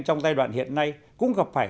trong giai đoạn hiện nay cũng gặp phải